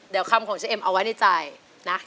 เดี๋ยวคำของเจ๊เอ็มเอาไว้ในใจนะ